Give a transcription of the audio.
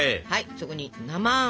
そこに生あん